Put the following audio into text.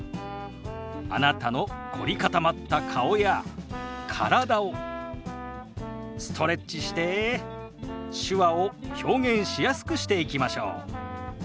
あなたの凝り固まった顔や体をストレッチして手話を表現しやすくしていきましょう。